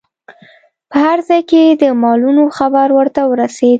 په هر ځای کې د مالونو خبر ورته ورسید.